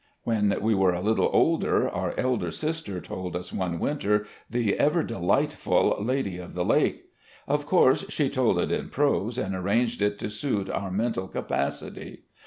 When we were a little older, our elder sister told us one winter the ever delightful " Lady of the Lake." Of course, she told it in prose and arranged it to suit our mental capacity.